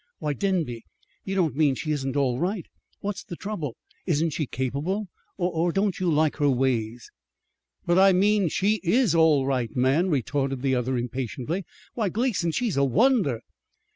"Why, Denby, you don't mean she isn't all right? What's the trouble? Isn't she capable? or don't you like her ways?" "But I mean she is all right, man," retorted the other impatiently. "Why, Gleason, she's a wonder!"